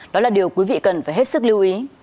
đó là điều quý vị cần phải hết sức lưu ý